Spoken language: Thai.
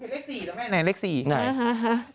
เลข๔แล้วแม่เลข๔ไงใช่ไหม